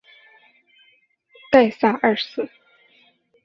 盖萨二世。